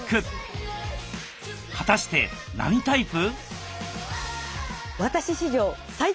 果たして何タイプ？